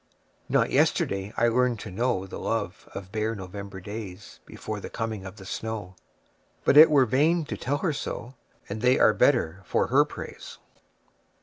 Not yesterday I learned to knowThe love of bare November daysBefore the coming of the snow, But it were vain to tell her so, And they are better for her praise.